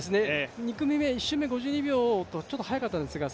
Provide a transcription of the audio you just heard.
２組目、１周目５２秒とちょっと速かったんですけど